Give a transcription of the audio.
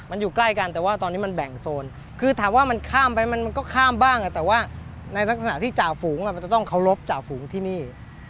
มันอยู่ใกล้กันแต่ว่าตอนนี้มันแบ่งโซนคือถามว่ามันข้ามไปมันก็ข้ามบ้างแต่ว่าในลักษณะที่จ่าฝูงมันจะต้องเคารพจ่าฝูงที่นี่